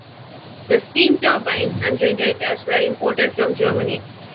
The steam turbines and generators were imported from Germany.